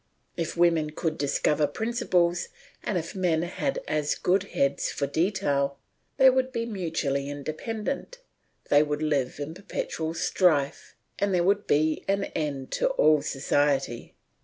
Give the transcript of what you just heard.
If women could discover principles and if men had as good heads for detail, they would be mutually independent, they would live in perpetual strife, and there would be an end to all society.